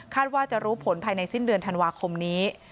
ว่าจะรู้ผลภายในสิ้นเดือนธันวาคมนี้